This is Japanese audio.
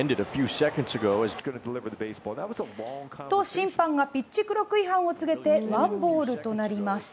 審判がピッチクロック違反を告げてワンボールとなります。